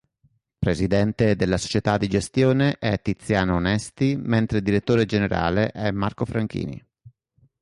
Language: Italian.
Presidente della società di gestione è Tiziano Onesti, mentre direttore generale è Marco Franchini.